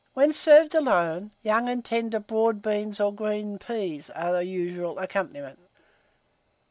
When served alone, young and tender broad beans or green peas are the usual accompaniments.